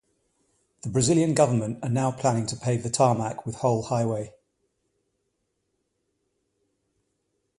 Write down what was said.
The Brazilian Government are now planning to pave with tarmac the whole highway.